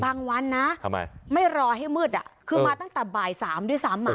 วันนะทำไมไม่รอให้มืดคือมาตั้งแต่บ่าย๓ด้วยซ้ำ